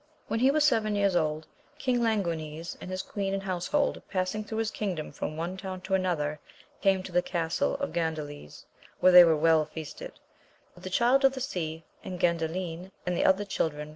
When he was seven years old, King Languines and his queen and household, passing through his kingdom from one town to another, came to the castle of Gan dales, where they were well feasted ; but the Child of the Sea, and Gandalin and the other childreTa.